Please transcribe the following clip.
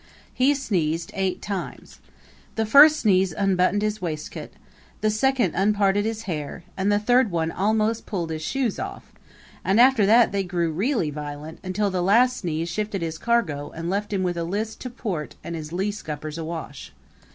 He sneezed eight times. The first sneeze unbuttoned his waistcoat, the second unparted his hair, and the third one almost pulled his shoes off; and after that they grew really violent, until the last sneeze shifted his cargo and left him with a list to port and his lee scuppers awash.